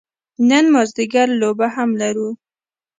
نن مازدیګر لوبه هم لرو.